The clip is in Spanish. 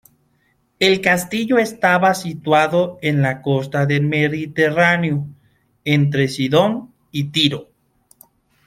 El castillo estaba situado en la costa del Mediterráneo, entre Sidón y Tiro.